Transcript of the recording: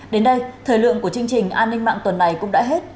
đến đây thời lượng của chương trình an ninh mạng tuần này cũng đã hết